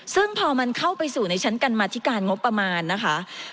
ซึ่งพอมันเข้าไปสู่ในชั้นกรรมธิการงบประมาณนะคะ